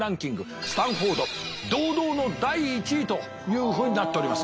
スタンフォード堂々の第１位というふうになっております。